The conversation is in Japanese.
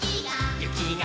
ゆきが。